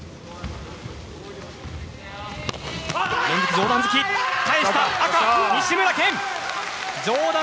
上段突き返した赤、西村拳。